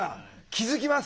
気付きます？